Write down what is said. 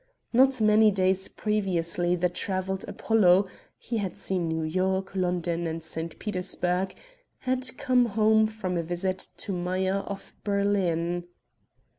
Not many days previously the travelled Apollo he had seen New York, London, and St. Petersburg had come home from a visit to Meyer of Berlin.